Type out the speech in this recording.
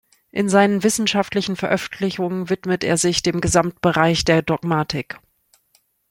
In seinen wissenschaftlichen Veröffentlichungen widmet er sich dem Gesamtbereich der Dogmatik.